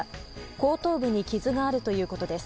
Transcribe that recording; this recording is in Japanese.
後頭部に傷があるということです。